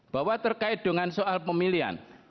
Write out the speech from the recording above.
bahwa terkait dengan soal pemilihan